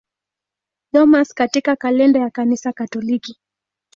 Thomas katika kalenda ya Kanisa Katoliki.